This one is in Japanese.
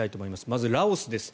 まず、ラオスです。